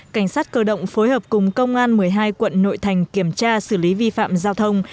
cảnh sát cơ động phối hợp cùng công an một mươi hai quận nội thành kiểm tra xử lý vi phạm giao thông